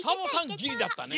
ギリだったね。